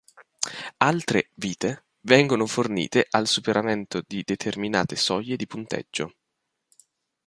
Altre "vite" vengono fornite al superamento di determinate soglie di punteggio.